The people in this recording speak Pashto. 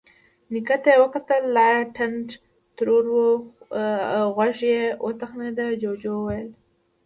نيکه ته يې وکتل، لا يې ټنډه تروه وه. غوږ يې وتخڼېد، جُوجُو وويل: